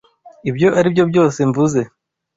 Ibyo aribyo byose mvuze.